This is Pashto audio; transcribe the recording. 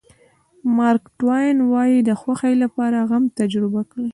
مارک ټواین وایي د خوښۍ لپاره غم تجربه کړئ.